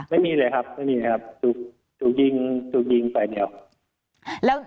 ไม่มีเลยครับไม่มีเลยครับถูกยิงใส่เดียว